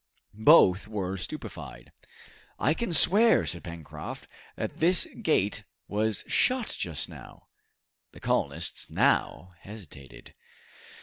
Both were stupefied. "I can swear," said Pencroft, "that this gate was shut just now!" The colonists now hesitated.